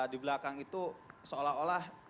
di belakang itu seolah olah